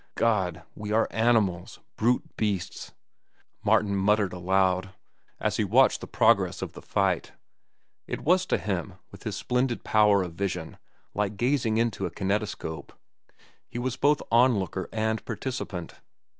"God! We are animals! Brute beasts!" Martin muttered aloud, as he watched the progress of the fight. It was to him, with his splendid power of vision, like gazing into a kinetoscope. He was both onlooker and participant.